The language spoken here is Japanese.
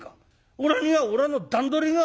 おらにはおらの段取りがある。